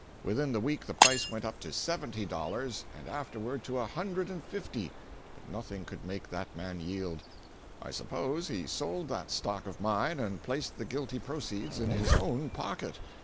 Within the week the price went up to seventy dollars and afterward to a hundred and fifty, but nothing could make that man yield. I suppose he sold that stock of mine and placed the guilty proceeds in his own pocket.